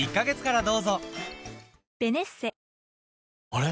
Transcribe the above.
あれ？